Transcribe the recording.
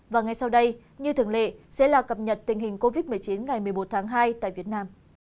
và ngay sau đây như thường lệ sẽ là cập nhật tình hình covid một mươi chín ngày một mươi một tháng hai tại việt nam